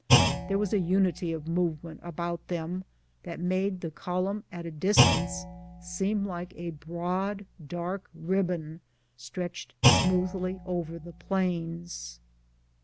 There was a unity of movement about them that made the column at a dis tance seem like a broad dark ribbon stretched smoothly over the plains.